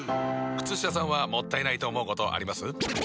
靴下さんはもったいないと思うことあります？